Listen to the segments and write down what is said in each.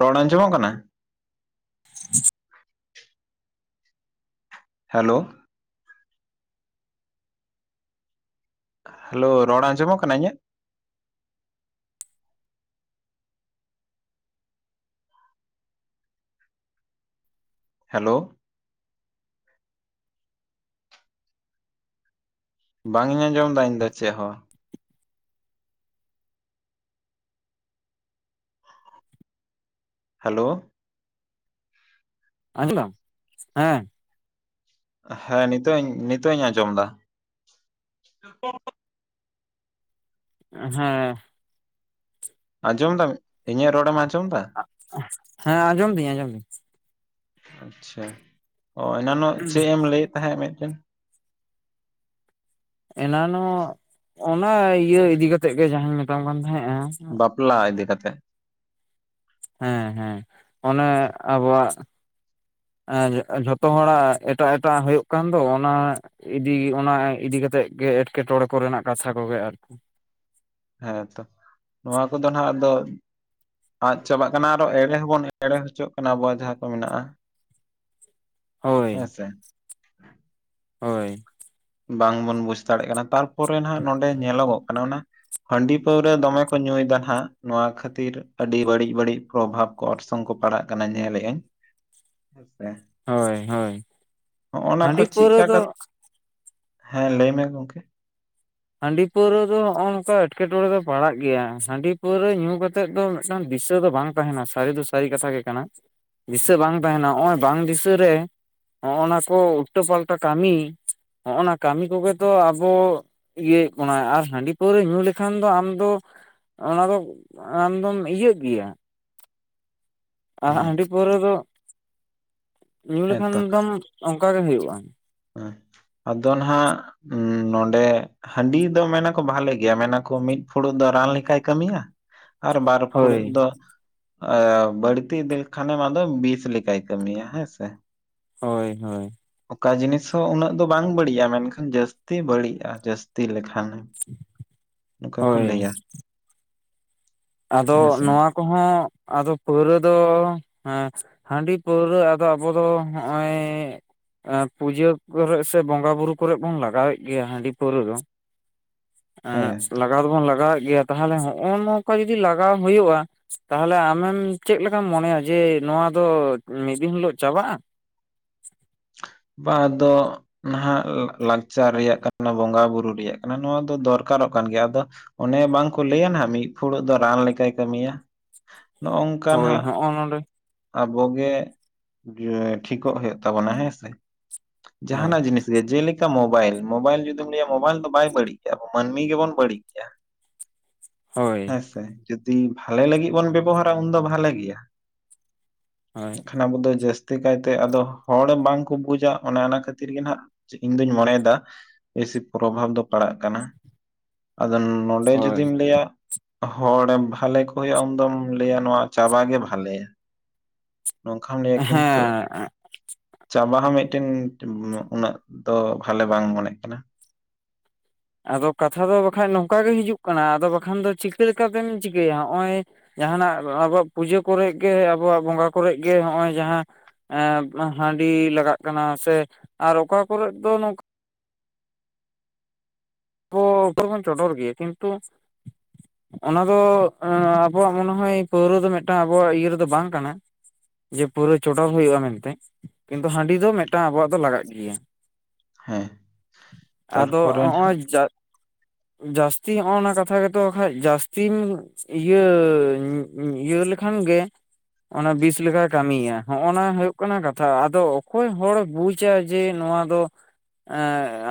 ᱨᱚᱲ ᱟᱸᱡᱚᱢᱚᱜ ᱠᱟᱱᱟ? [inaudible] ᱦᱮᱞᱳ ᱦᱮᱞᱳ ᱨᱚᱲ ᱟᱸᱡᱚᱢᱚᱜ ᱠᱟᱱᱟ ᱤᱧᱟᱹᱜ? ᱦᱮᱞᱳ ᱵᱟᱝ ᱤᱧ ᱟᱸᱡᱚᱢ ᱫᱟ ᱤᱧ ᱫᱚ ᱪᱮᱜ ᱦᱚᱸ᱾ ᱦᱮᱞᱳ ᱟᱸᱡᱚᱢ ᱫᱟᱢ ᱦᱮᱸ ᱦᱮᱸ ᱱᱤᱛᱚᱜ ᱤᱧ ᱱᱤᱛᱚᱜ ᱤᱧ ᱟᱸᱡᱚᱢ ᱮᱫᱟ᱾ ᱦᱮᱸ ᱟᱸᱡᱚᱢ ᱮᱫᱟᱢ ᱤᱧᱟᱜ ᱨᱚᱲᱮᱢ ᱟᱸᱡᱚᱢ ᱮᱫᱟᱢ᱾ ᱦᱮᱸ ᱟᱸᱡᱚᱢ ᱫᱤᱧ ᱟᱸᱡᱚᱢ ᱫᱤᱧ᱾ ᱟᱪᱪᱷᱟ ᱚ ᱮᱱᱟᱱᱚᱜ ᱪᱮᱜ ᱮᱢ ᱞᱟᱹᱭᱮᱜ ᱛᱟᱦᱮᱸᱜ ᱢᱤᱫᱴᱮᱱ᱾ ᱮᱱᱟ ᱱᱚᱜ ᱚᱱᱟ ᱤᱭᱟᱹ ᱤᱫᱤ ᱠᱟᱛᱮᱜ ᱜᱮ ᱡᱟᱸᱦᱟᱸᱧ ᱢᱮᱛᱟᱢ ᱠᱟᱱ ᱛᱟᱦᱮᱸᱜᱼᱟ᱾ ᱵᱟᱯᱞᱟ ᱤᱫᱤ ᱠᱟᱛᱮᱜ᱾ ᱦᱮᱸ ᱦᱮᱸ ᱚᱱᱮ ᱟᱵᱚᱣᱟᱜ ᱮ ᱡᱷᱚᱛᱚ ᱦᱚᱲᱟᱜ ᱮᱴᱟᱜ ᱮᱴᱟᱜ ᱦᱩᱭᱩᱜ ᱠᱟᱱ ᱫᱚ ᱚᱱᱟ ᱤᱫᱤ ᱚᱱᱟ ᱤᱫᱤ ᱠᱟᱛᱮᱜ ᱜᱮ ᱮᱴᱠᱮᱴᱚᱬᱮ ᱠᱚᱨᱮᱱᱟᱜ ᱠᱟᱛᱷᱟ ᱠᱚᱜᱮ ᱟᱨᱠᱤ᱾ ᱦᱮᱸᱛᱚ ᱱᱚᱣᱟ ᱠᱚᱫᱚ ᱱᱟᱜ ᱟᱫᱚ᱾ ᱟᱫ ᱪᱟᱵᱟᱜ ᱠᱟᱱᱟ ᱟᱨᱚ ᱮᱲᱮ ᱦᱚᱸᱵᱚᱱ ᱮᱲᱮ ᱦᱚᱪᱚᱜ ᱠᱟᱱᱟ ᱟᱵᱚᱣᱟᱜ ᱡᱟᱦᱟᱸ ᱠᱚ ᱢᱮᱱᱟᱜᱼᱟ᱾ ᱦᱳᱭ ᱦᱮᱸ ᱥᱮ ᱦᱳᱭ ᱵᱟᱝᱵᱚᱱ ᱵᱩᱡᱽ ᱫᱟᱲᱮᱭᱟᱜ ᱠᱟᱱᱟ ᱛᱟᱨᱯᱚᱨᱮ ᱱᱟᱜ ᱱᱚᱰᱮ ᱧᱮᱞᱚᱜᱚᱜ ᱠᱟᱱᱟ ᱚᱱᱟ᱾ ᱦᱟᱺᱰᱤ ᱯᱟᱹᱣᱨᱟᱹ ᱫᱚᱢᱮ ᱠᱚ ᱧᱩᱭᱫᱟ ᱱᱟᱜ ᱱᱚᱣᱟ ᱠᱷᱟᱹᱛᱤᱨ ᱟᱹᱰᱤ ᱵᱟᱹᱲᱤᱡ ᱵᱟᱹᱲᱤᱡ, ᱯᱨᱚᱵᱷᱟᱵᱽ ᱠᱚ ᱚᱨᱥᱚᱝ ᱠᱚ ᱯᱟᱲᱟᱜ ᱠᱟᱱᱟ ᱧᱮᱞ ᱟᱹᱧ ᱦᱮᱸ ᱥᱮ ᱦᱳᱭ ᱦᱳᱭ ᱠᱚ ᱦᱟᱺᱰᱤ ᱯᱟᱹᱣᱨᱟᱹ ᱪᱮᱫᱠᱟ ᱫᱚ ᱠᱟᱛᱮ ᱦᱮᱸ ᱞᱟᱹᱭ ᱢᱮ ᱜᱚᱢᱠᱮ᱾ ᱦᱟᱺᱰᱤ ᱯᱟᱹᱣᱨᱟᱹ ᱫᱚ ᱱᱚᱜ-ᱱᱚᱝᱠᱟ ᱮᱴᱠᱮᱴᱚᱸᱬᱮ ᱫᱚ ᱯᱟᱲᱟᱜ ᱜᱮᱭᱟ ᱦᱟᱺᱰᱤ ᱯᱟᱹᱣᱨᱟᱹ ᱧᱩ ᱠᱟᱛᱮᱫ ᱫᱚ ᱢᱤᱫᱴᱟᱝ ᱫᱤᱥᱟᱹ ᱫᱚ ᱵᱟᱝ ᱛᱟᱦᱮᱱᱟ, ᱥᱟᱹᱨᱤ ᱫᱚ ᱥᱟᱹᱨᱤ ᱠᱟᱛᱷᱟ ᱜᱮ ᱠᱟᱱᱟ ᱫᱤᱥᱟᱹ ᱵᱟᱝ ᱛᱟᱦᱮᱱᱟ ᱱᱚᱜ-ᱚᱭ ᱵᱟᱝ ᱫᱤᱥᱟᱹ ᱨᱮ ᱦᱚᱜ-ᱱᱟ ᱠᱚ ᱩᱞᱴᱟᱹ ᱯᱟᱞᱴᱟ ᱠᱟᱹᱢᱤ ᱦᱚᱜᱱᱟ ᱠᱟᱹᱢᱤ ᱠᱚᱜᱮ ᱛᱚ ᱟᱵᱚ ᱤᱭᱟᱹᱭᱮᱫ ᱵᱚᱱᱟᱭ ᱟᱨ ᱦᱟᱺᱰᱤ ᱯᱟᱹᱣᱨᱟᱹ ᱧᱩ ᱞᱮᱠᱷᱟᱱ ᱫᱚ ᱟᱢᱫᱚ ᱚᱱᱟ ᱫᱚ ᱟᱢᱫᱚᱢ ᱤᱭᱟᱹᱜ ᱜᱮᱭᱟ᱾ ᱟᱨ ᱦᱩᱸ ᱦᱟᱺᱰᱤ ᱯᱟᱹᱣᱨᱟᱹ ᱫᱚ ᱧᱩ ᱞᱮᱠᱷᱟᱱ ᱦᱮᱸᱛᱚ ᱫᱚᱢ ᱚᱱᱠᱟ ᱜᱮ ᱦᱩᱭᱩᱜ-ᱟ᱾ ᱟᱫᱚ ᱱᱟᱦᱟᱜ ᱱᱚᱸᱰᱮ᱾ ᱦᱟᱺᱰᱤ ᱫᱚ ᱢᱮᱱᱟᱠᱚ ᱵᱷᱟᱞᱮ ᱜᱮᱭᱟ ᱢᱮᱱᱟᱠᱚ ᱢᱤᱫ ᱯᱷᱩᱲᱩᱜ ᱫᱚ ᱨᱟᱱ ᱞᱮᱠᱟᱭ ᱠᱟᱹᱢᱤᱭᱟ᱾ ᱟᱨ ᱵᱟᱨ ᱦᱳᱭ ᱯᱷᱩᱲᱩᱜ ᱫᱚ ᱵᱟᱹᱲᱛᱤ ᱤᱫᱤ ᱞᱮᱠᱷᱟᱱᱮᱢ ᱟᱫᱚ ᱵᱤᱥ ᱞᱮᱠᱟᱭ ᱠᱟᱹᱢᱤᱭᱟ ᱦᱮᱸ ᱥᱮ᱾ ᱦᱳᱭ ᱦᱳᱭ ᱚᱠᱟ ᱡᱤᱱᱤᱥ ᱦᱚᱸ ᱩᱱᱟᱹᱜ ᱫᱚ ᱵᱟᱝ ᱵᱟᱹᱲᱤᱡᱟ, ᱢᱮᱱᱠᱷᱟᱱ ᱡᱟᱹᱥᱛᱤ ᱵᱟᱹᱲᱤᱡᱟ ᱡᱟᱹᱥᱛᱤ ᱞᱮᱠᱷᱟᱱ᱾ ᱱᱚᱠᱟ ᱠᱚ ᱦᱳᱭ ᱞᱟᱹᱭᱟ᱾ ᱟᱫᱚ ᱦᱮᱸᱥᱮ ᱱᱚᱣᱟ ᱠᱚᱦᱚᱸ ᱟᱫᱚ ᱯᱟᱹᱣᱨᱟᱹ ᱫᱚ ᱦᱮᱸ᱾ ᱦᱟᱺᱰᱤ ᱯᱟᱹᱣᱨᱟᱹ ᱟᱫᱚ ᱟᱵᱚ ᱫᱚ ᱦᱚᱜ-ᱚᱭ, ᱮ ᱯᱩᱡᱟᱹ ᱠᱚᱨᱮ ᱥᱮ ᱵᱚᱸᱜᱟ ᱵᱩᱨᱩ ᱠᱚᱨᱮ ᱵᱚᱱ ᱞᱟᱜᱟᱣᱮᱫ ᱜᱮᱭᱟ ᱦᱟᱺᱰᱤ ᱯᱟᱹᱣᱨᱟᱹ ᱫᱚ᱾ ᱦᱮᱸ ᱞᱟᱜᱟᱣ ᱫᱚᱵᱚᱱ ᱞᱟᱜᱟᱣᱮᱫ ᱜᱮᱭᱟ ᱛᱟᱦᱚᱞᱮ ᱦᱚᱜ-ᱚ ᱱᱚᱝᱠᱟ ᱡᱩᱫᱤ ᱞᱟᱜᱟᱣ ᱦᱩᱭᱩᱜ-ᱟ᱾ ᱛᱟᱦᱚᱞᱮ ᱟᱢᱮᱢ ᱪᱮᱫ ᱞᱮᱠᱟᱢ ᱢᱚᱱᱮᱭᱟ ᱡᱮ ᱱᱚᱣᱟ ᱫᱚ ᱢᱤᱫ ᱫᱤᱱ ᱦᱤᱞᱳᱜ ᱪᱟᱵᱟᱜ-ᱟ᱾ ᱵᱟᱝ ᱟᱫᱚ ᱱᱟᱦᱟᱜ ᱞᱟᱠᱪᱟᱨ ᱨᱮᱭᱟᱜ ᱠᱟᱱᱟ ᱵᱚᱸᱜᱟ ᱵᱩᱨᱩ ᱨᱮᱭᱟᱜ ᱠᱟᱱᱟ ᱱᱚᱣᱟ ᱫᱚ ᱫᱚᱨᱠᱟᱨᱚᱜ ᱠᱟᱱ ᱜᱮᱭᱟ ᱟᱫᱚ᱾ ᱚᱱᱮ ᱵᱟᱝᱠᱚ ᱞᱟᱹᱭᱟ ᱱᱟᱜ ᱢᱤᱫ ᱯᱷᱩᱲᱩᱜ ᱫᱚ ᱨᱟᱱ ᱞᱮᱠᱟᱭ ᱠᱟᱹᱢᱤᱭᱟ᱾ ᱱᱚᱜ ᱱᱚᱝᱠᱟ ᱦᱳᱭ ᱱᱟᱜ ᱦᱚᱜᱼᱚ ᱱᱚᱰᱮ ᱟᱵᱚᱜᱮ ᱴᱷᱤᱠᱚᱜ ᱦᱩᱭᱩᱜ ᱛᱟᱵᱚᱱᱟ ᱦᱮᱸ᱾ ᱦᱳᱭ ᱡᱟᱦᱟᱱᱟᱜ ᱡᱤᱱᱤᱥ ᱡᱮᱞᱮᱠᱟ ᱢᱳᱵᱟᱭᱤᱞ ᱢᱳᱵᱟᱭᱤᱞ ᱡᱩᱫᱤᱢ ᱞᱟᱹᱭᱟ ᱢᱳᱵᱟᱭᱤᱞ ᱫᱚ ᱵᱟᱭ ᱵᱟᱹᱲᱤᱡ ᱜᱮᱭᱟ ᱢᱟᱹᱱᱢᱤ ᱜᱮᱵᱚᱱ ᱵᱟᱹᱲᱤᱡ ᱜᱮᱭᱟ᱾ [inaudible] ᱦᱳᱭ ᱦᱮᱸᱥᱮ ᱡᱩᱫᱤ ᱵᱷᱟᱞᱮ ᱞᱟᱹᱜᱤᱫ ᱵᱚᱱ ᱵᱮᱵᱚᱦᱟᱨᱟ ᱩᱱᱫᱚ ᱵᱷᱟᱞᱮ ᱜᱮᱭᱟ᱾ ᱦᱳᱭ ᱠᱷᱟᱱ ᱟᱵᱚ ᱫᱚ ᱡᱟᱹᱥᱛᱤ ᱠᱟᱭᱛᱮ ᱟᱫᱚ ᱦᱚᱲ ᱵᱟᱝᱼᱼ ᱠᱚ ᱵᱩᱡᱟ ᱚᱱᱮ ᱚᱱᱟ ᱠᱷᱟᱹᱛᱤᱨ ᱜᱮ ᱱᱟᱜ ᱤᱧ ᱫᱩᱧ ᱢᱚᱱᱮᱭᱮᱫᱟ ᱵᱮᱥᱤ ᱯᱨᱚᱵᱷᱟᱵᱽ ᱫᱚ ᱯᱟᱲᱟᱜ ᱠᱟᱱᱟ ᱟᱫᱚ ᱱᱚᱰᱮ ᱦᱳᱭ ᱡᱩᱫᱤᱢ ᱞᱟᱹᱭᱟ᱾ ᱦᱚᱲ ᱵᱷᱟᱞᱮ ᱠᱚ ᱦᱩᱭᱩᱜ-ᱟ ᱩᱱᱫᱚᱢ ᱞᱟᱹᱭᱟ ᱱᱚᱣᱟ ᱪᱟᱵᱟᱜ ᱜᱮ ᱵᱷᱟᱞᱮᱭᱟ᱾ ᱱᱚᱝᱠᱟᱢ ᱞᱟᱹᱭᱟ ᱠᱤᱱᱛᱩᱼᱼ ᱦᱮᱸ ᱪᱟᱵᱟ ᱦᱚᱸ ᱢᱤᱫᱴᱮᱱ ᱩᱱᱟᱹᱜ ᱫᱚ ᱵᱷᱟᱞᱮ ᱵᱟᱝ ᱢᱚᱱᱮᱜ ᱠᱟᱱᱟ᱾ ᱟᱫᱚ ᱠᱟᱛᱷᱟ ᱫᱚ ᱵᱟᱠᱷᱟᱱ ᱱᱚᱝᱠᱟ ᱜᱮ ᱦᱤᱡᱩᱜ ᱠᱟᱱᱟ ᱟᱫᱚ ᱵᱟᱠᱷᱟᱱ ᱫᱚ ᱪᱤᱠᱟᱹ ᱞᱮᱠᱟᱛᱮᱢ ᱪᱤᱠᱟᱹᱭᱟ ᱱᱚᱜᱼᱚᱭ ᱡᱟᱦᱟᱱᱟᱜ ᱟᱵᱚᱣᱟᱜ ᱯᱩᱡᱟᱹ ᱠᱚᱨᱮᱜ ᱜᱮ ᱟᱵᱚᱣᱟᱜ ᱵᱚᱸᱜᱟ ᱠᱚᱨᱮᱜ ᱜᱮ ᱦᱚᱜᱼᱚᱭ ᱡᱟᱦᱟᱸ ᱮ ᱦᱟᱹᱰᱤ ᱞᱟᱜᱟᱜ ᱠᱟᱱᱟ ᱥᱮ ᱟᱨ ᱚᱠᱟ ᱠᱚᱨᱮ ᱫᱚ ᱱᱚᱼᱼ ᱟᱵᱚ [inaudible] ᱵᱚᱱ ᱪᱚᱰᱚᱨ ᱜᱮᱭᱟ ᱠᱤᱱᱛᱩᱼᱼ ᱚᱱᱟ ᱫᱚ ᱟᱵᱚᱣᱟᱜ ᱢᱚᱱᱮ ᱦᱚᱭ ᱯᱟᱹᱣᱨᱟᱹ ᱫᱚ ᱢᱤᱫᱴᱟᱝ ᱟᱵᱚᱣᱟᱜ ᱤᱭᱟᱹ ᱨᱮᱫᱚ ᱵᱟᱝ ᱠᱟᱱᱟ᱾ ᱡᱮ ᱯᱩᱨᱟᱹ ᱪᱚᱰᱚᱨ ᱦᱩᱭᱩᱜ-ᱟ ᱢᱮᱱᱛᱮ ᱠᱤᱱᱛᱩ ᱦᱟᱺᱰᱤ ᱫᱚ ᱢᱤᱫᱴᱟᱝ ᱟᱵᱚᱣᱟᱜ ᱫᱚ ᱞᱟᱜᱟᱜ ᱜᱮᱭᱟ᱾ ᱦᱮᱸ ᱟᱫᱚ ᱛᱟᱨᱯᱚᱨᱮ ᱱᱟᱦᱟᱜ ᱦᱚᱸᱜᱼᱚᱭ ᱡᱟᱼᱼ ᱡᱟᱹᱥᱛᱤ ᱦᱚᱜᱼᱱᱟ ᱠᱟᱛᱷᱟ ᱜᱮᱛᱚ ᱠᱷᱟᱡ ᱡᱟᱹᱥᱛᱤᱢ ᱤᱭᱟᱹᱼᱼ ᱤᱭᱟᱹ ᱞᱮᱠᱷᱟᱱ ᱜᱮᱼᱼ ᱚᱱᱟ ᱵᱤᱥ ᱞᱮᱠᱟᱭ ᱠᱟᱹᱢᱤᱭᱟ ᱦᱚᱜ- ᱱᱟ ᱦᱩᱭᱩᱜ ᱠᱟᱱᱟ ᱠᱟᱛᱷᱟ ᱟᱫᱚ ᱚᱠᱚᱭ ᱦᱚᱲ ᱵᱩᱡᱼᱼ ᱡᱮ ᱱᱚᱣᱟ ᱫᱚ ᱮ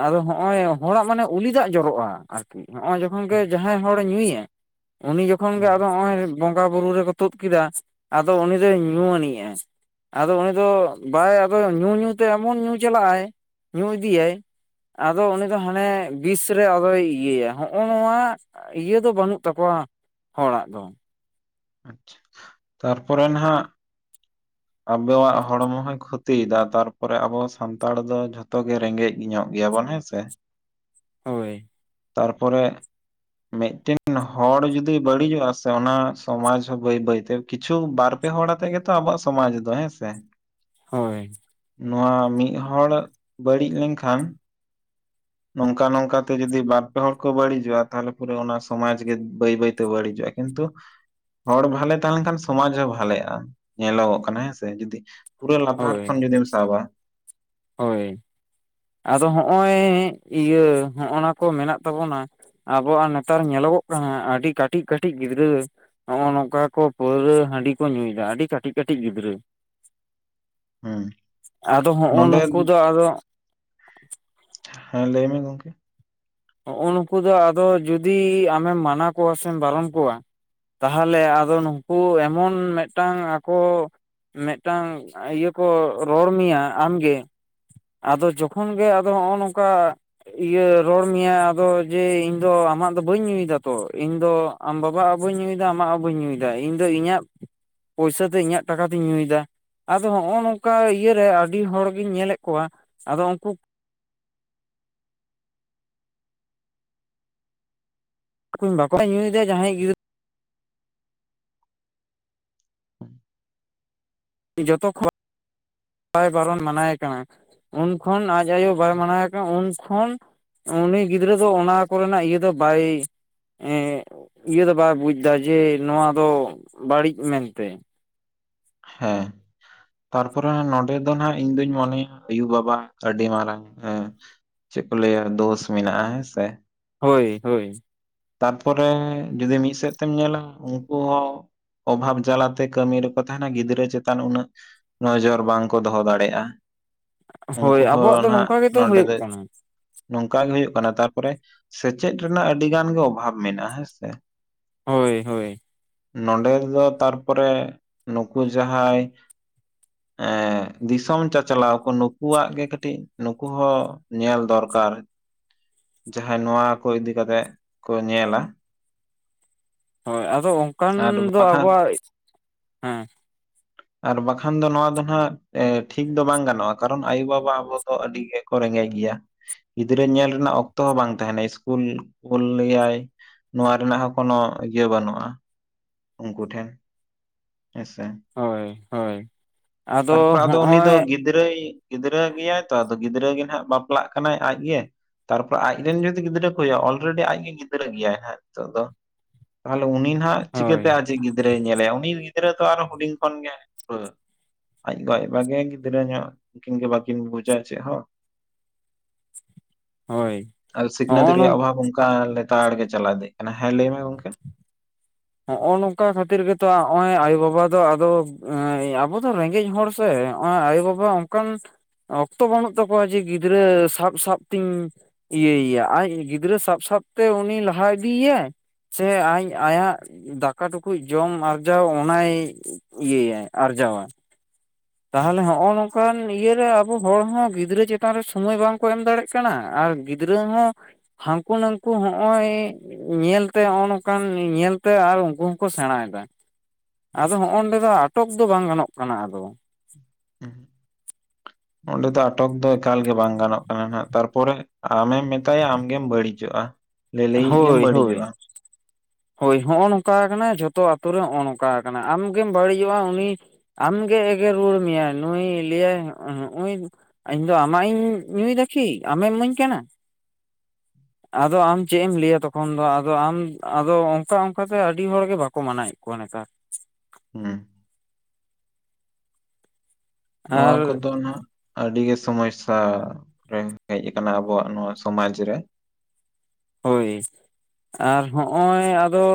ᱟᱫᱚ ᱦᱚᱜᱼᱚᱭ ᱦᱚᱲᱟᱜ ᱢᱟᱱᱮᱼᱼ ᱩᱞᱤᱫᱟᱜ ᱡᱚᱨᱚᱜᱼᱟ ᱟᱨᱠᱤ ᱱᱚᱜ ᱚᱭ ᱡᱚᱠᱷᱚᱱ ᱜᱮ ᱡᱟᱦᱟᱸᱭ ᱦᱚᱲᱮ ᱧᱩᱭᱟ ᱩᱱᱤ ᱡᱚᱠᱷᱼᱼ ᱡᱚᱠᱷᱚᱱ ᱜᱮ ᱟᱫᱚ ᱱᱚᱜ-ᱚᱭ ᱵᱚᱸᱜᱟ ᱵᱩᱨᱩ ᱨᱮᱠᱚ ᱛᱩᱫ ᱠᱮᱫᱟ ᱟᱫᱚ ᱩᱱᱤ ᱫᱚᱭ ᱧᱩ ᱟᱹᱱᱤᱡᱼᱟ᱾ ᱟᱫᱚ ᱩᱱᱤ ᱫᱚ ᱵᱟᱭ ᱟᱫᱚ ᱧᱩ ᱧᱩ ᱛᱮ ᱮᱢᱚᱱ ᱧᱩ ᱪᱟᱞᱟᱜ-ᱟᱭ ᱧᱩ ᱤᱫᱤᱭᱟᱭ ᱟᱫᱚ ᱩᱱᱤ ᱫᱚ ᱦᱟᱱᱮᱼᱼ ᱵᱤᱥ ᱨᱮ ᱟᱫᱚᱭ ᱤᱭᱟᱹᱭᱟ ᱦᱚᱜᱼᱚ ᱱᱚᱣᱟ ᱤᱭᱟᱹ ᱫᱚ ᱵᱟᱹᱱᱩᱜ ᱛᱟᱠᱚᱣᱟ ᱦᱚᱲᱟᱜ ᱫᱚ, ᱟᱪᱪᱷᱟ ᱛᱟᱨᱯᱚᱨᱮ ᱱᱟᱜᱼᱼ ᱟᱵᱚᱣᱟᱜ ᱦᱚᱲᱢᱚ ᱦᱚᱭ ᱠᱷᱚᱛᱤᱭᱮᱫᱟ ᱛᱟᱨᱯᱚᱨᱮ ᱟᱵᱚ ᱥᱟᱱᱛᱟᱲ ᱫᱚ ᱡᱷᱚᱛᱚ ᱜᱮ ᱨᱮᱸᱜᱮᱡᱼᱼ ᱤ ᱧᱚᱜ ᱜᱮᱭᱟ ᱵᱚᱱ ᱦᱮᱸᱥᱮᱼᱼ ᱦᱳᱭ ᱛᱟᱨ ᱯᱚᱨᱮ ᱢᱤᱫᱴᱮᱱ ᱦᱚᱲ ᱡᱩᱫᱤ ᱵᱟᱹᱲᱤᱡᱚᱜᱼᱟ ᱥᱮ ᱚᱱᱟᱼᱼ ᱥᱚᱢᱟᱡ ᱦᱚᱸ ᱵᱟᱹᱭ ᱵᱟᱹᱭᱛᱮ ᱠᱤᱪᱷᱩ ᱵᱟᱨ ᱯᱮ ᱦᱚᱲ ᱟᱛᱮᱜ ᱜᱮᱛᱚ ᱟᱵᱚᱣᱟᱜ ᱥᱚᱢᱟᱡ ᱫᱚ ᱦᱮᱸᱥᱮ ᱦᱳᱭ ᱱᱚᱣᱟ ᱢᱤᱫ ᱦᱚᱲ ᱵᱟᱹᱲᱤᱡ ᱞᱮᱱ ᱠᱷᱟᱱ ᱱᱚᱝᱠᱟ ᱱᱚᱝᱠᱟ ᱛᱮ ᱡᱩᱫᱤ ᱵᱟᱨᱯᱮ ᱦᱚᱲ ᱠᱚ ᱵᱟᱹᱲᱤᱡᱚᱜᱼᱟ ᱛᱟᱦᱚᱞᱮ ᱯᱩᱨᱟ ᱚᱱᱟ ᱥᱚᱢᱟᱡ ᱜᱮ ᱵᱟᱹᱭ ᱵᱟᱹᱭᱛᱮ ᱵᱟᱹᱲᱤᱡᱚᱜᱼᱟ᱾ ᱠᱤᱱᱛᱩᱼᱼ ᱦᱚᱲ ᱵᱷᱟᱞᱮ ᱛᱟᱦᱮᱸᱱ ᱠᱷᱟᱱ ᱥᱚᱢᱟᱡ ᱦᱚᱸ ᱵᱷᱟᱞᱮᱜᱼᱟ ᱧᱮᱞᱚᱜᱚᱜ ᱠᱟᱱᱟ ᱦᱮᱸᱥᱮ ᱡᱩᱫᱤᱼᱼ ᱯᱩᱨᱟᱹ ᱞᱟᱛᱟᱨ ᱦᱳᱭ ᱠᱷᱚᱱ ᱡᱩᱫᱤᱢ ᱥᱟᱵᱟ᱾ ᱦᱳᱭ ᱟᱫᱚ ᱦᱚᱜᱼᱚᱭ ᱤᱭᱟᱹ ᱦᱚᱸᱜᱼ ᱱᱟ ᱠᱚ ᱢᱮᱱᱟᱜ ᱛᱟᱵᱚᱱᱟ᱾ ᱟᱵᱚᱣᱟᱜ ᱱᱮᱛᱟᱨ ᱧᱮᱞᱚᱜᱚᱜ ᱠᱟᱱᱟ ᱟᱹᱰᱤ ᱠᱟᱹᱴᱤᱡ ᱠᱟᱹᱴᱤᱡ ᱜᱤᱫᱽᱨᱟᱹ ᱱᱚ ᱚ ᱱᱚᱝᱠᱟ ᱠᱚ ᱯᱟᱹᱣᱨᱟᱹ ᱦᱟᱺᱰᱤ ᱠᱚ ᱧᱩᱭ ᱮᱫᱟ ᱟᱹᱰᱤ ᱠᱟᱹᱴᱤᱡ ᱠᱟᱹᱴᱤᱡ ᱜᱤᱫᱽᱨᱟᱹ ᱦᱮᱸ ᱟᱫᱚ ᱦᱚᱸᱜᱼᱚ ᱱᱚᱸᱰᱮᱼᱼ ᱱᱩᱠᱩ ᱫᱚ ᱟᱫᱚ ᱦᱮᱸ ᱞᱟᱹᱭ ᱢᱮ ᱜᱚᱝᱠᱮ ᱦᱚᱜᱼ ᱱᱩᱠᱩ ᱫᱚ ᱟᱫᱚ ᱡᱩᱫᱤ ᱟᱢᱮᱢ ᱢᱟᱱᱟᱣ ᱠᱚᱣᱟ ᱥᱮᱢ ᱯᱟᱨᱚᱢ ᱠᱚᱣᱟ᱾ ᱛᱟᱦᱚᱞᱮ ᱟᱫᱚ ᱱᱩᱠᱩ ᱮᱢᱚᱱ ᱢᱤᱫᱴᱟᱝ ᱟᱠᱚᱼᱼ ᱢᱤᱫᱴᱟᱝ ᱤᱭᱟᱹ ᱠᱚ ᱨᱚᱲ ᱢᱮᱭᱟ ᱟᱢᱜᱮᱼᱼ ᱟᱫᱚ ᱡᱚᱠᱷᱚᱱ ᱜᱮ ᱟᱫᱚ ᱱᱚᱜᱼᱚ ᱱᱚᱝᱠᱟ ᱤᱭᱟᱹ ᱨᱚᱲ ᱢᱮᱭᱟ ᱟᱫᱚ ᱡᱮ ᱤᱧ ᱫᱚ ᱟᱢᱟᱜ ᱫᱚ ᱵᱟᱹᱧ ᱤᱭᱩᱡᱟ ᱛᱚ ᱤᱧ ᱫᱚ ᱟᱢ ᱵᱟᱵᱟ ᱵᱟᱹᱧ ᱧᱩᱭ ᱮᱫᱟ ᱟᱢᱟᱜ ᱦᱚᱸ ᱵᱟᱹᱧ ᱧᱩᱭ ᱮᱫᱟ ᱤᱧ ᱫᱚ ᱤᱧᱟᱹᱜ ᱯᱚᱭᱥᱟ ᱛᱮ ᱤᱧᱟᱹᱜ ᱴᱟᱠᱟ ᱛᱮᱧ ᱧᱩᱭ ᱮᱫᱟ ᱾ ᱟᱫᱚ ᱦᱚᱸᱜᱼᱚ ᱱᱚᱝᱠᱟ ᱤᱭᱟᱹ ᱨᱮ ᱟᱹᱰᱤ ᱦᱚᱲᱜᱤᱧ ᱧᱮᱞᱮᱫ ᱠᱚᱣᱟ ᱟᱫᱚ ᱩᱱᱠᱩ ᱵᱟᱠᱚ ᱧᱩᱭᱮᱫᱭᱟ ᱡᱟᱦᱟᱸᱭ ᱜᱤᱫᱽᱨᱟᱹ ᱡᱚᱛᱚ ᱠᱷᱚᱡ ᱵᱟᱭ ᱵᱟᱨᱚᱱ ᱢᱟᱱᱟᱭᱮ ᱠᱟᱱᱟ ᱾ ᱩᱱᱠᱷᱚᱱ ᱟᱡ ᱟᱭᱚ ᱵᱟᱭ ᱢᱟᱱᱟᱭᱮ ᱩᱱᱠᱷᱚᱱ ᱩᱱᱤ ᱜᱤᱫᱽᱨᱟᱹ ᱫᱚ ᱚᱱᱟ ᱠᱚᱨᱮᱱᱟᱜ ᱤᱭᱟᱹ ᱫᱚ ᱵᱟᱭ ᱤᱭᱟᱹ ᱫᱚ ᱵᱟᱭ ᱵᱩᱡᱽ ᱮᱫᱟ ᱡᱮ ᱱᱚᱣᱟ ᱫᱚ ᱵᱟᱹᱲᱤᱡ ᱢᱮᱱᱛᱮ ᱾ ᱦᱮᱸ ᱾ ᱛᱟᱨᱯᱚᱨᱮ ᱱᱚᱰᱮ ᱫᱚ ᱱᱟᱜ ᱤᱧ ᱫᱩᱧ ᱢᱚᱱᱮᱭᱟ ᱟᱭᱩ ᱵᱟᱵᱟ ᱟᱹᱰᱤ ᱢᱟᱨᱟᱝ ᱦᱮᱸ ᱾ ᱪᱮᱫ ᱠᱚ ᱞᱟᱹᱭᱟ ᱫᱚᱥ ᱢᱮᱱᱟᱜᱼᱟ ᱦᱮᱸ ᱥᱮ ᱾ ᱦᱚᱭ ᱦᱚᱭ ᱾ ᱛᱟᱨᱯᱚᱨᱮ ᱡᱩᱫᱤ ᱢᱤᱫ ᱥᱮᱫ ᱛᱮᱢ ᱧᱮᱞᱟ ᱩᱱᱠᱩ ᱦᱚᱸ ᱚᱵᱷᱟᱵᱽ ᱡᱟᱞᱟᱛᱮ ᱠᱟᱹᱢᱤ ᱨᱮᱠᱚ ᱛᱟᱦᱮᱱᱟ ᱜᱤᱫᱽᱨᱟᱹ ᱪᱮᱛᱟᱱ ᱩᱱᱟᱹᱜ ᱱᱚᱡᱚᱨ ᱵᱟᱝᱠᱚ ᱫᱚᱦᱚ ᱫᱟᱲᱮᱭᱟᱜᱼᱟ ᱾ ᱩᱱᱠᱩ ᱦᱳᱭ ᱟᱵᱚᱣᱟᱜ ᱦᱚᱸ ᱫᱚ ᱱᱟᱦᱟᱜ ᱱᱚᱝᱠᱟ ᱜᱮᱛᱚ ᱱᱚᱰᱮ ᱦᱩᱭᱩᱜ ᱫᱚ ᱠᱟᱱᱟ ᱱᱚᱝᱠᱟ ᱜᱮ ᱦᱩᱭᱩᱜ ᱠᱟᱱᱟ ᱾ ᱛᱟᱯᱚᱨᱮ ᱥᱮᱪᱮᱫ ᱨᱮᱱᱟᱜ ᱟᱹᱰᱤᱜᱟᱱ ᱜᱮ ᱚᱵᱷᱟᱵᱽ ᱢᱮᱱᱟᱜᱼᱟ ᱦᱮᱸ ᱥᱮ ᱾ ᱦᱚᱭ ᱦᱚᱭ ᱾ ᱱᱚᱰᱮ ᱫᱚ ᱛᱟᱨᱯᱚᱨᱮ ᱱᱩᱠᱩ ᱡᱟᱦᱟᱸᱭ ᱫᱤᱥᱚᱢ ᱪᱟᱪᱞᱟᱣ ᱠᱚ ᱱᱩᱠᱩᱣᱟᱜ ᱜᱮ ᱠᱟᱹᱴᱤᱡ ᱱᱩᱠᱩ ᱦᱚ ᱧᱮᱞ ᱫᱚᱨᱠᱟᱨ ᱾ ᱡᱟᱦᱟᱸᱭ ᱱᱚᱣᱟ ᱠᱚ ᱤᱫᱤ ᱠᱟᱛᱮᱜ ᱠᱚ ᱧᱮᱞᱟ ᱾ ᱦᱚᱭ ᱟᱫᱚ ᱚᱱᱠᱟᱱ ᱟᱨ ᱫᱚ ᱵᱟᱠᱷᱟᱱ ᱟᱵᱚᱣᱟᱜ ᱦᱮᱸ ᱾ [unintelligible] ᱟᱨ ᱵᱟᱠᱷᱟᱱ ᱫᱚ ᱱᱚᱣᱟ ᱦᱟᱸᱜ ᱴᱷᱤᱠ ᱫᱚ ᱵᱟᱝ ᱜᱟᱱᱚᱜᱼᱟ ᱠᱟᱨᱚᱱ ᱟᱭᱩᱵᱟᱵᱟ ᱟᱵᱚ ᱫᱚ ᱟᱹᱰᱤ ᱜᱮ ᱠᱚ ᱨᱮᱸᱜᱮᱡ ᱜᱮᱭᱟ ᱜᱤᱫᱽᱨᱟᱹ ᱧᱮᱞ ᱨᱮᱱᱟᱜ ᱚᱠ ᱚᱠᱛᱚ ᱦᱚᱸ ᱵᱟᱝ ᱛᱟᱦᱮᱱᱟ ᱤᱥᱠᱩᱞ ᱠᱩᱞᱮᱭᱟᱭ ᱱᱚᱣᱟ ᱨᱮᱱᱟᱜ ᱦᱚᱸ ᱠᱚᱱᱚ ᱤᱭᱟᱹ ᱵᱟᱹᱱᱩᱜᱼᱟ ᱾ ᱩᱱᱠᱩ ᱴᱷᱮᱱ ᱾ ᱦᱮᱥᱮ ᱾ ᱦᱚᱭ ᱦᱚᱭ ᱾ ᱛᱟᱨᱯᱚᱨᱮ ᱟᱫᱚ ᱩᱱᱤ ᱫᱚ ᱜᱤᱫᱽᱨᱟᱹᱭ ᱜᱤᱫᱽᱨᱟᱹ ᱜᱮᱭᱟᱭ ᱛᱚ ᱟᱫᱚ ᱜᱤᱫᱽᱨᱟᱹ ᱜᱮ ᱱᱟᱦᱟᱱᱟᱜ ᱵᱟᱯᱞᱟᱜ ᱠᱟᱱᱟᱭ ᱟᱡᱜᱮ ᱾ ᱛᱟᱨᱯᱚᱨᱮ ᱟᱡᱨᱤᱱ ᱡᱩᱫᱤ ᱜᱤᱫᱽᱨᱟᱹ ᱠᱚ ᱦᱩᱭᱩᱜ-ᱟ ᱚᱞᱨᱮᱰᱤ ᱟᱡ ᱜᱮ ᱜᱤᱫᱽᱨᱟᱹ ᱜᱮᱭᱟᱭ ᱦᱟᱸ ᱱᱤᱛᱚᱜ ᱫᱚ ᱾ ᱛᱟᱦᱞᱮ ᱩᱱᱤ ᱱᱟᱦᱟᱜ ᱦᱳᱭ ᱪᱤᱠᱟᱹᱛᱮ ᱟᱡᱤᱡ ᱜᱤᱫᱽᱨᱟᱹᱭ ᱧᱮᱞᱮᱭᱟ ᱩᱱᱤ ᱜᱤᱫᱽᱨᱟᱹ ᱫᱚ ᱟᱨ ᱦᱩᱰᱤᱧ ᱠᱷᱚᱱᱜᱮ ᱯᱩᱨᱟᱹ ᱟᱡ ᱜᱚ ᱟᱡ ᱵᱟ ᱜᱮᱭ ᱜᱤᱫᱽᱨᱟᱹ ᱧᱚᱜ ᱩᱱᱠᱤᱱ ᱜᱮ ᱵᱟᱹᱠᱤᱱ ᱵᱩᱡᱟ ᱪᱮᱫ ᱦᱚᱸ ᱾ ᱦᱳᱭ [inaudible] ᱟᱨ ᱥᱤᱠᱷᱱᱟᱹᱛ ᱦᱚᱜᱼᱚ ᱱᱚᱝ ᱨᱮᱭᱟᱜ ᱚᱵᱷᱟᱵᱽ ᱚᱱᱠᱟ ᱞᱮᱛᱟᱲ ᱜᱮ ᱪᱟᱞᱟᱣ ᱤᱫᱤᱭᱟᱜ ᱠᱟᱱᱟ ᱾ ᱦᱮᱸ ᱞᱟᱹᱭ ᱢᱮ ᱜᱚᱝᱠᱮ? ᱱᱚᱜᱼᱚ ᱱᱚᱝᱠᱟ ᱠᱷᱟᱹᱛᱤᱨ ᱜᱮᱛᱚ ᱱᱚᱜᱼᱚᱭ ᱟᱭᱚ ᱵᱟᱵᱟ ᱫᱚ ᱟᱫᱚ ᱟᱵᱚ ᱫᱚ ᱨᱮᱸᱜᱮᱡ ᱦᱚᱲ ᱥᱮᱜ ᱟᱭᱚ ᱵᱟᱵᱟ ᱚᱱᱠᱟᱱ ᱚᱠᱛᱚ ᱵᱟᱹᱱᱩᱜ ᱛᱟᱠᱚᱣᱟ ᱡᱮ ᱜᱤᱫᱽᱨᱟᱹ ᱥᱟᱵ ᱥᱟᱵ ᱛᱤᱧ ᱤᱭᱟᱹᱭᱟ ᱟᱡ ᱜᱤᱫᱽᱨᱟᱹ ᱥᱟᱵ ᱥᱟᱵᱛᱮ ᱩᱱᱤ ᱞᱟᱦᱟ ᱤᱫᱤᱭ ᱮᱭᱟᱭ ᱥᱮ ᱟᱡ ᱟᱭᱟᱜ ᱫᱟᱠᱟ ᱴᱩᱠᱩᱡ ᱡᱚᱢ ᱟᱨᱡᱟᱣ ᱚᱱᱟᱭ ᱤᱭᱟᱹᱟᱭ ᱟᱨᱡᱟᱣᱟ ᱾ ᱛᱟᱦᱚᱞᱮ ᱦᱚᱸᱜᱚᱭ ᱱᱚᱝ ᱚᱱᱠᱟᱱ ᱤᱭᱟᱹ ᱨᱮ ᱟᱵᱚ ᱦᱚᱲ ᱦᱚᱸ ᱜᱤᱫᱽᱨᱟᱹ ᱪᱮᱛᱟᱱ ᱨᱮ ᱥᱚᱢᱚᱭ ᱵᱟᱝᱠᱚ ᱮᱢ ᱫᱟᱲᱮᱭᱟᱜ ᱠᱟᱱᱟ ᱟᱨ ᱜᱤᱫᱽᱨᱟᱹ ᱦᱚᱸ ᱦᱟᱹᱱᱠᱩ ᱱᱟᱝᱠᱩ ᱦᱚᱸᱜᱼᱚᱭ ᱧᱮᱞᱛᱮ ᱱᱚᱜ ᱱᱚᱝᱠᱟᱱ ᱧᱮᱞᱛᱮ ᱟᱨ ᱩᱱᱠᱩ ᱦᱚᱸᱠᱚ ᱥᱮᱬᱟᱭᱮᱫᱟ ᱾ ᱟᱫᱚ ᱦᱚᱸᱜ-ᱚᱱᱰᱮ ᱫᱚ ᱟᱴᱚᱠ ᱫᱚ ᱵᱟᱝ ᱜᱟᱱᱚᱜ ᱠᱟᱱᱟ ᱟᱫᱚ, [unintelligible] ᱚᱸᱰᱮ ᱫᱚ ᱟᱴᱚᱠ ᱫᱚ ᱮᱠᱟᱞ ᱜᱮ ᱵᱟᱝ ᱜᱟᱱᱚᱜ ᱠᱟᱱᱟ ᱱᱟᱦᱟᱜ, ᱛᱟᱨᱯᱚᱨᱮ ᱟᱢᱮᱢ ᱢᱮᱛᱟᱭᱟ ᱟᱢ ᱜᱮᱢ ᱵᱟᱹᱲᱤᱡᱚᱜ-ᱟ᱾ ᱦᱳᱭ ᱦᱳᱭ᱾ ᱦᱳᱭ ᱦᱚᱸᱜ-ᱚ ᱱᱚᱝᱠᱟ ᱟᱟᱱᱟ ᱡᱷᱚᱛᱚ ᱟᱛᱩ ᱨᱮ ᱱᱚᱜ-ᱚ ᱱᱚᱝᱠᱟ ᱠᱟᱱᱟ ᱟᱢ ᱜᱮᱢ ᱵᱟᱹᱲᱤᱡᱚᱜ-ᱟ ᱩᱱᱤ ᱟᱢ ᱜᱮ ᱮᱜᱮᱨ ᱨᱩᱣᱟᱹᱲ ᱢᱮᱭᱟᱭ ᱱᱩᱭ ᱞᱟᱹᱭ ᱟᱭ ᱦᱚᱸᱜ-ᱚ‌ ᱦᱩᱜ-ᱩᱸᱭ ᱤᱧᱫᱚ ᱟᱢᱟᱜ ᱤᱧ ᱧᱩᱭ ᱫᱟ ᱠᱤ ᱟᱢᱮᱢ ᱤᱢᱟᱹᱧ ᱠᱟᱱᱟ, ᱟᱫᱚ ᱟᱢ ᱪᱮᱫ ᱮᱢ ᱞᱟᱹᱭᱟ ᱛᱚᱠᱷᱚᱱ ᱫᱚ ᱟᱫᱚ ᱟᱢ ᱟᱫᱚ ᱚᱝᱠᱟ ᱚᱝᱠᱟ ᱛᱮ ᱟᱹᱰᱤ ᱦᱚᱲ ᱜᱮ ᱵᱟᱠᱚ ᱢᱟᱱᱟᱣᱭᱮᱫ ᱠᱚᱣᱟ ᱱᱮᱛᱟᱨ᱾ ᱦᱩᱸ ᱱᱚᱣᱟ ᱟᱨ ᱠᱚᱫᱚ ᱱᱟᱦᱟᱜ ᱟᱹᱰᱤ ᱜᱮ ᱥᱚᱢᱚᱭᱥᱟ ᱨᱮ ᱦᱮᱡ ᱟᱠᱟᱱᱟ ᱟᱵᱚᱣᱟᱜ ᱱᱚᱣᱟ ᱥᱚᱢᱟᱡᱽ ᱨᱮ, ᱦᱳᱭ, ᱟᱨ ᱦᱚᱸᱜ-ᱚᱭ ᱟᱫᱚ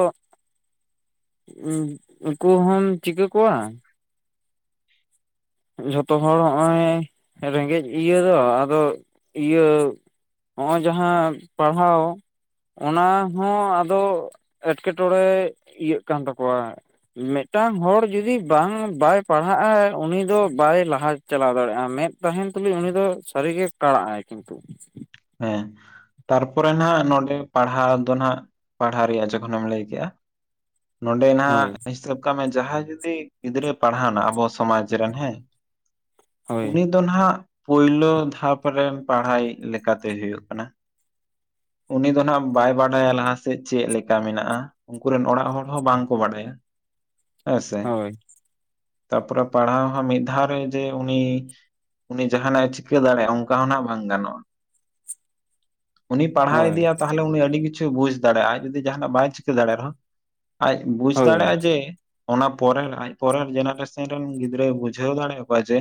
ᱩᱸ ᱩᱱᱠᱩ ᱦᱚᱢ ᱪᱤᱠᱟᱹ ᱠᱚᱣᱟ, ᱡᱚᱛᱚ ᱦᱚᱲ ᱦᱚᱸᱜ-ᱚᱭ ᱨᱮᱸᱜᱮᱡ ᱤᱭᱟᱹ ᱫᱚ ᱟᱫᱚ ᱤᱭᱟᱹ ᱦᱚᱸᱜ-ᱚᱭ ᱡᱟᱦᱟᱸ ᱯᱟᱲᱦᱟᱣ ᱚᱱᱟ ᱦᱚᱸ ᱟᱫᱚ ᱮᱴᱠᱮᱴᱚᱲᱮ ᱤᱭᱟᱹᱜ ᱠᱟᱱ ᱛᱟᱠᱚᱣᱟ, ᱢᱤᱫᱴᱟᱝ ᱦᱚᱲ ᱡᱩᱫᱤ ᱵᱟᱝ ᱵᱟᱭ ᱯᱟᱲᱦᱟᱜ-ᱟᱭ ᱩᱱᱤ ᱩᱱᱤ ᱫᱚ ᱵᱟᱭ ᱞᱟᱦᱟ ᱪᱟᱞᱟᱣ ᱫᱟᱲᱮᱭᱟᱜ-ᱟ, ᱢᱮᱸᱫ ᱛᱟᱦᱮᱸᱱ ᱛᱩᱞᱩᱡ ᱩᱱᱤ ᱫᱚ ᱥᱟᱹᱨᱤ ᱜᱮ ᱠᱟᱬᱟᱜ ᱟᱭ ᱠᱤᱱᱛᱩ᱾ ᱦᱮᱸ᱾ ᱛᱟᱨᱯᱚᱨᱮ ᱱᱟᱦᱟᱜ ᱱᱚᱸᱰᱮ ᱯᱟᱲᱦᱟᱣ ᱫᱚ ᱱᱟᱦᱟᱜ, ᱯᱟᱲᱦᱟᱣ ᱨᱮᱭᱟᱜ ᱡᱚᱠᱷᱚᱱᱮᱢ ᱞᱟᱹᱭ ᱠᱮᱫᱮᱜ-ᱟ, ᱱᱚᱰᱮ ᱱᱟᱦᱟᱜ ᱦᱳᱭ ᱦᱤᱥᱟᱹᱵ ᱠᱟᱜ ᱢᱮ ᱡᱟᱦᱟᱸᱭ ᱡᱩᱫᱤ ᱜᱤᱫᱽᱨᱟᱹ ᱯᱟᱲᱦᱟᱣᱱᱟ ᱟᱵᱚ ᱥᱚᱢᱟᱡᱽ ᱨᱮᱱ ᱦᱮᱸ, ᱦᱳᱭ ᱩᱱᱤ ᱫᱚ ᱱᱟᱦᱟᱜ ᱯᱳᱭᱞᱳ ᱫᱷᱟᱯ ᱨᱮᱱ ᱯᱟᱲᱦᱟᱣᱤᱡ ᱞᱮᱠᱟᱛᱮ ᱦᱩᱭᱩᱜ ᱠᱟᱱᱟ᱾ ᱩᱱᱤ ᱫᱚ ᱱᱟᱦᱟᱜ ᱵᱟᱭ ᱵᱟᱰᱟᱭᱟ ᱞᱟᱦᱟ ᱥᱮᱫ ᱪᱮᱫ ᱞᱮᱠᱟ ᱢᱮᱱᱟᱜ-ᱟ, ᱩᱱᱠᱩ ᱨᱮᱱ ᱚᱲᱟᱜ ᱦᱚᱲ ᱦᱚᱸ ᱵᱟᱝ ᱠᱚ ᱵᱟᱲᱟᱭᱟ, ᱦᱮᱸ ᱥᱮ᱾ ᱦᱳᱭ ᱛᱟᱯᱚᱨᱮ ᱯᱟᱲᱦᱟᱣ ᱦᱚᱸ ᱢᱤᱫ ᱫᱷᱟᱣ ᱨᱮ ᱡᱮ ᱩᱱᱤ ᱩᱱᱤ ᱡᱟᱦᱟᱸᱱᱟᱜ ᱮ ᱪᱤᱠᱟᱹ ᱫᱟᱲᱮᱭᱟᱜ-ᱟ ᱚᱝᱠᱟ ᱦᱚᱸ ᱱᱟᱦᱟᱜ ᱵᱟᱝ ᱜᱟᱱᱚᱜ-ᱟ᱾ ᱩᱱᱤ ᱯᱟᱲᱦᱟᱣ ᱦᱳᱭ ᱤᱫᱤᱭᱟ ᱛᱟᱦᱚᱞᱮ ᱩᱱᱤ ᱟᱹᱰᱤ ᱠᱤᱪᱷᱩ ᱵᱩᱡᱽ ᱫᱟᱲᱮᱜ-ᱟ ᱟᱡ ᱡᱩᱫᱤ ᱡᱟᱦᱟᱸᱱᱟᱜ ᱵᱟᱭ ᱪᱤᱠᱟᱹ ᱫᱟᱲᱮᱭᱟᱜ ᱨᱮᱦᱚᱸ ᱟᱡ ᱵᱩᱡᱽ ᱦᱳᱭ ᱫᱟᱲᱮᱜ-ᱟᱭ ᱡᱮ ᱚᱱᱟ ᱯᱚᱨᱮᱨ ᱟᱡ ᱯᱚᱨᱮᱨ ᱡᱮᱱᱟᱨᱮᱥᱟᱱ ᱨᱮᱱ ᱜᱤᱫᱽᱨᱟᱹᱭ ᱵᱩᱡᱷᱟᱹᱣ ᱫᱟᱲᱮᱭᱟ ᱠᱚᱣᱟ ᱡᱮ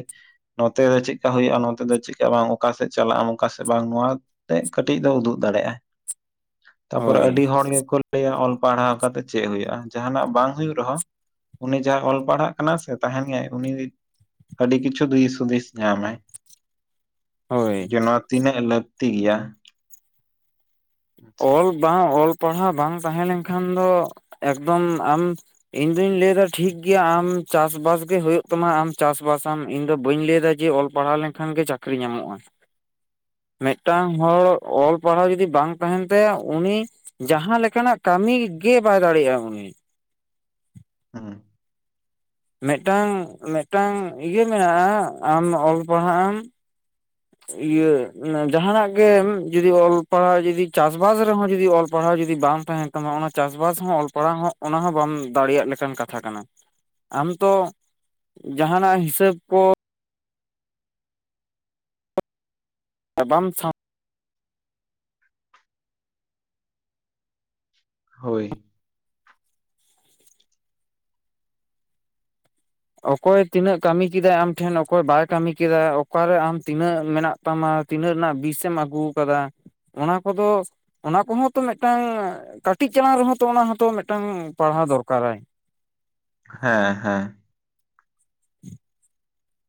ᱱᱚᱛᱮ ᱫᱚ ᱪᱮᱫᱠᱟ ᱦᱩᱭᱩᱜ-ᱟ ᱱᱚᱛᱮ ᱫᱚ ᱪᱮᱫᱠᱟ ᱵᱟᱝ, ᱚᱠᱟ ᱥᱮᱫ ᱪᱟᱞᱟᱜ ᱟᱢ ᱚᱠᱟ ᱥᱮ ᱵᱟᱝ ᱱᱚᱣᱟ ᱛᱮᱫ ᱠᱟᱹᱴᱤᱡ ᱫᱚ ᱩᱫᱩᱜ ᱫᱟᱲᱮᱜ-ᱟᱭ᱾ ᱛᱟᱯᱚᱨᱮ ᱟᱹᱰᱤ ᱦᱳᱭ ᱦᱚᱲ ᱜᱮ ᱠᱚ ᱞᱟᱹᱭᱟ ᱚᱞ ᱯᱟᱲᱦᱟᱣ ᱠᱟᱛᱮ ᱪᱮᱫ ᱦᱩᱭᱩᱜᱼᱟ, ᱡᱟᱦᱟᱸᱱᱟᱜ ᱵᱟᱝ ᱦᱩᱭᱩᱜ ᱨᱮᱦᱚᱸ ᱩᱱᱤ ᱡᱟᱦᱟᱸᱭ ᱚᱞ ᱯᱟᱲᱦᱟᱜ ᱠᱟᱱᱟᱭ ᱥᱮ ᱛᱟᱦᱮᱸᱱ ᱜᱮᱭᱟᱭ ᱩᱱᱤ ᱟᱹᱰᱤ ᱠᱤᱪᱷᱩ ᱫᱤᱥ ᱦᱩᱫᱤᱥ ᱧᱟᱢᱟᱭ᱾ ᱦᱳᱭ ᱡᱮ ᱱᱚᱣᱟ ᱛᱤᱱᱟᱹᱜ ᱞᱟᱹᱠᱛᱤ ᱜᱮᱭᱟ᱾ ᱚᱞ ᱵᱟᱝ ᱚᱞ ᱯᱟᱲᱦᱟᱣ ᱵᱟᱝ ᱛᱟᱦᱮᱸ ᱞᱮᱱᱠᱷᱟᱱ ᱫᱚ ᱮᱠᱫᱚᱢ ᱟᱢ ᱤᱧᱫᱩᱧ ᱞᱟᱹᱭᱮᱫᱟ ᱴᱷᱤᱠ ᱜᱮᱭᱟ ᱟᱢ ᱪᱟᱥ ᱵᱟᱥ ᱜᱮ ᱦᱩᱭᱩᱜ ᱛᱟᱢᱟ ᱟᱢ ᱪᱟᱥ ᱵᱟᱥ ᱟᱢ ᱤᱧᱫᱚ ᱵᱟᱹᱧ ᱞᱟᱹᱭ ᱫᱟ ᱡᱮ ᱚᱞ ᱯᱟᱲᱦᱟᱣ ᱞᱮᱱᱠᱷᱟᱱ ᱜᱮ ᱪᱟᱠᱨᱤ ᱧᱟᱢᱚᱜᱼᱟ᱾ [unintelligible] ᱢᱤᱫᱴᱟᱝ ᱦᱚᱲ ᱚᱞ ᱯᱟᱲᱦᱟᱣ ᱡᱩᱫᱤ ᱵᱟᱝ ᱛᱟᱦᱮᱸᱱ ᱛᱟᱭᱟ ᱩᱱᱤ ᱡᱟᱦᱟᱸ ᱞᱮᱠᱟᱱᱟᱜ ᱠᱟᱹᱢᱤ ᱜᱮ ᱵᱟᱭ ᱫᱟᱲᱮᱭᱟᱜᱼᱟ ᱩᱱᱤ, ᱦᱩᱸ᱾ ᱢᱤᱫᱴᱟᱝ ᱢᱤᱫᱴᱟᱝ ᱤᱭᱟᱹ ᱢᱮᱱᱟᱜᱼᱟ, ᱟᱢ ᱚᱞ ᱯᱟᱲᱦᱟᱜ ᱟᱢ ᱤᱭᱟᱹ ᱢᱟᱱᱮ ᱡᱟᱦᱟᱸᱱᱟᱜ ᱜᱮᱢ ᱡᱩᱫᱤ ᱚᱞ ᱯᱟᱲᱦᱟᱣ ᱡᱩᱫᱤ ᱪᱟᱥ ᱵᱟᱥ ᱨᱮᱦᱚᱸ ᱡᱩᱫᱤ ᱚᱞ ᱯᱟᱲᱦᱟᱣ ᱡᱩᱫᱤ ᱵᱟᱢ ᱛᱟᱦᱮᱸᱱ ᱛᱟᱢᱟ, ᱚᱱᱟ ᱪᱟᱥ ᱵᱟᱥ ᱦᱚᱸ, ᱚᱞ ᱯᱟᱲᱦᱟᱣ ᱦᱚᱸ ᱚᱱᱟ ᱦᱚᱸ ᱵᱟᱢ ᱫᱟᱲᱮᱭᱟᱜ ᱞᱮᱠᱟᱱ ᱠᱟᱛᱷᱟ ᱠᱟᱱᱟ᱾ ᱟᱢ ᱛᱚ, ᱡᱟᱦᱟᱸᱱᱟᱜ ᱦᱤᱥᱟᱹᱵ ᱠᱚ ᱟᱼᱵᱟᱢ, ᱥᱟᱶ [inaudible] [unintelligible] ᱦᱳᱭ ᱾ ᱚᱠᱚᱭ ᱛᱤᱱᱟᱹᱜ ᱠᱟᱹᱢᱤ ᱠᱮᱫᱟᱭ ᱟᱢ ᱴᱷᱮᱱ, ᱚᱠᱚᱭ ᱵᱟᱭ ᱠᱟᱹᱢᱤ ᱠᱮᱫᱟ ᱾ ᱚᱠᱟᱨᱮ, ᱟᱢ ᱛᱤᱱᱟᱹᱜ ᱢᱮᱱᱟᱜ ᱛᱟᱢᱟ ᱾ ᱛᱤᱱᱟᱹᱜ ᱨᱮᱱᱟᱜ, ᱵᱤᱥ ᱮᱢ ᱟᱹᱜᱩ ᱟᱠᱟᱫᱟ ᱾ ᱚᱱᱟ ᱠᱚᱫᱚ, ᱚᱱᱟ ᱠᱚᱦᱚᱸ ᱛᱚ, ᱢᱤᱫᱴᱟᱝ ᱠᱟᱹᱴᱤᱡ ᱪᱟᱞᱟᱝ ᱨᱮᱦᱚᱸ ᱛᱚ, ᱚᱱᱟ ᱦᱚᱸᱛᱚ, ᱢᱤᱫᱴᱟᱝ ᱯᱟᱲᱦᱟᱣ ᱫᱚᱨᱠᱟᱨᱟᱭ ᱾ ᱦᱮᱸᱻᱦᱮᱸᱻ ᱾ [unintelligible]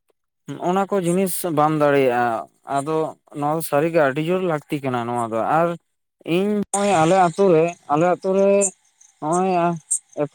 ᱚᱱᱟ ᱠᱚ, ᱡᱤᱱᱤᱥ ᱵᱟᱢ ᱫᱟᱲᱮᱭᱟᱜᱼᱟ ᱾ ᱟᱫᱚ, ᱱᱚᱣᱟ ᱫᱚ ᱥᱟᱹᱨᱤ ᱜᱮ, ᱟᱹᱰᱤ ᱡᱳᱨ ᱞᱟᱹᱠᱛᱤ ᱠᱟᱱᱟ, ᱱᱚᱣᱟ ᱫᱚ, ᱟᱨ ᱤᱧ ᱱᱚᱜ ᱚᱭ, ᱟᱞᱮ ᱟ. ᱛᱩ ᱨᱮ, ᱟᱞᱮ ᱟ. ᱛᱩ ᱨᱮ, ᱱᱚᱜ ᱚᱭ,